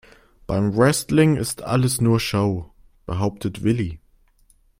"Beim Wrestling ist alles nur Show", behauptet Willi.